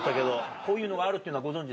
こういうのがあるってご存じ？